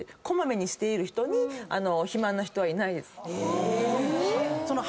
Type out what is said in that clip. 小まめにしている人に肥満の人はいないです。